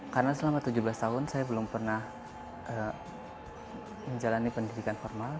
karena selama tujuh belas tahun saya belum pernah menjalani pendidikan formal